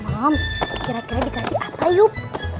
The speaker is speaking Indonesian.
malam kira kira dikasih apa yuk